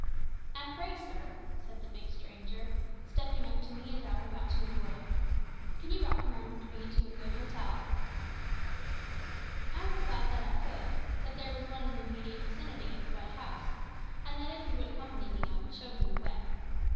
"And pray, sir," said the big stranger, stepping up to me as I was about to move away, "can you recommend me to a good hotel?" I replied that I could; that there was one in the immediate vicinity of the white house, and that if he would accompany me I would show him the way.